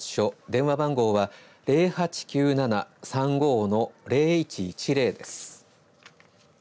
電話番号は０８９７‐３５‐０１１０です。